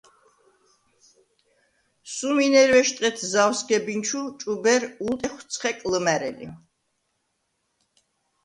სუმინჲერვეშდ ღეთ ზავ სგებინჩუ ჭუბერ ულტეხვ ცხელ ლჷმა̈რელი.